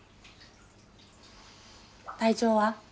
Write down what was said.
体調は？